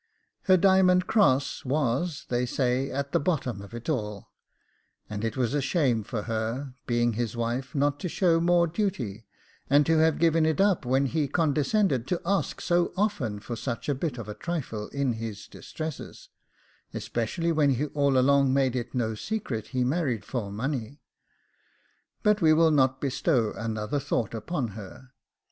Her diamond cross was, they say, at the bottom of it all; and it was a shame for her, being his wife, not to show more duty, and to have given it up when he condescended to ask so often for such a bit of a trifle in his distresses, especially when he all along made it no secret he married for money. But we will not bestow another thought upon her.